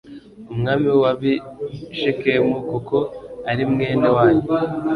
umwami w ab i Shekemu kuko ari mwene wanyu